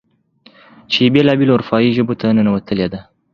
چې بېلا بېلو اروپايې ژبو ته ننوتلې ده.